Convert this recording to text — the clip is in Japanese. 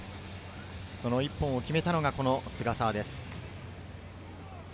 その１本を決めたのが菅澤です。